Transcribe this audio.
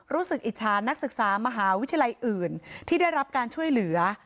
อิจฉานักศึกษามหาวิทยาลัยอื่นที่ได้รับการช่วยเหลือ